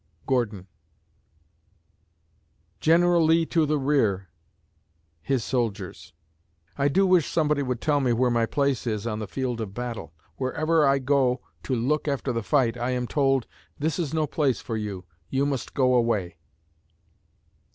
GORDON General Lee to the rear! His Soldiers. I do wish somebody would tell me where my place is on the field of battle! Wherever I go to look after the fight, I am told, "This is no place for you; you must go away."